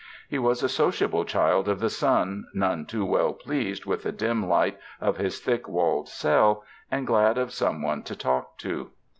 He was a so ciable child of the sun, none too well pleased with the dim light of his thick walled cell, and glad of some one to talk to.